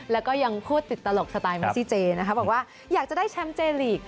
แล้วก็ยังพูดติดตลกสไตล์เมซิเจนะคะบอกว่าอยากจะได้แชมป์เจลีก